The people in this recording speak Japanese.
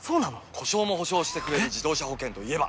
故障も補償してくれる自動車保険といえば？